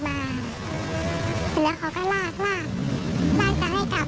แล้วเขาก็รากรากรากจะให้กลับ